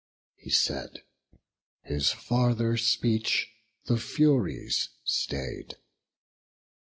He said; his farther speech the Furies stay'd.